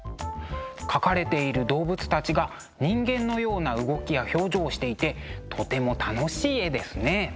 描かれている動物たちが人間のような動きや表情をしていてとても楽しい絵ですね。